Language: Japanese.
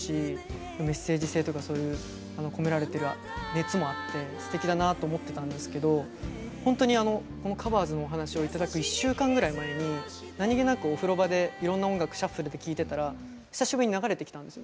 メッセージ性とかそういう込められてる熱もあってすてきだなと思ってたんですけどほんとにあのこの「ＴｈｅＣｏｖｅｒｓ」のお話を頂く１週間ぐらい前に何気なくお風呂場でいろんな音楽シャッフルで聴いてたら久しぶりに流れてきたんですよ。